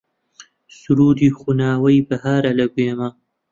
سروودی خوناوەی بەهارە لە گوێما